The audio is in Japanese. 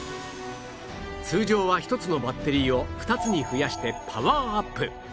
通常は１つのバッテリーを２つに増やしてパワーアップ